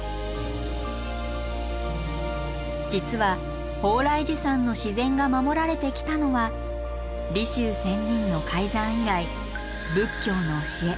実は鳳来寺山の自然が守られてきたのは利修仙人の開山以来仏教の教え